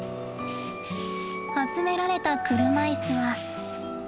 集められた車椅子は。